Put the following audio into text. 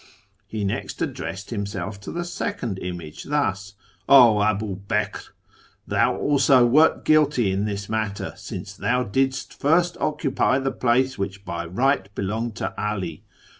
" He next addressed himself to the second image thus :' 0 Abu Bekr ! Thou also wert guilty in this matter, since thou didst first occupy the place which by right belonged to 'All.